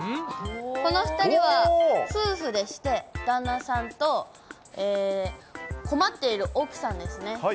この２人は夫婦でして、旦那さんと、困っている奥さんですね。